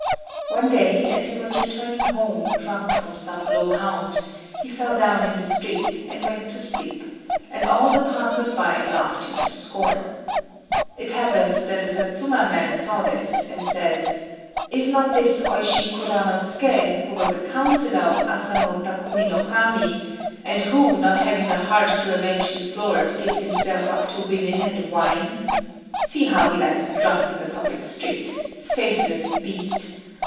One day, as he was returning home drunk from some low haunt, he fell down in the street and went to sleep, and all the passers by laughed him to scorn. It happened that a Satsuma man saw this, and said: "Is not this Oishi Kuranosuké, who was a councillor of Asano Takumi no Kami, and who, not having the heart to avenge his lord, gives himself up to women and wine? See how he lies drunk in the public street! Faithless beast!